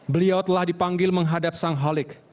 beliau telah dipanggil menghadap sang holik